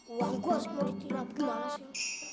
uang gue asal mau ditirap gimana sih